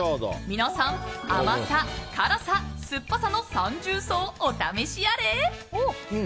皆さん甘さ、辛さ、酸っぱさの三重奏お試しあれ！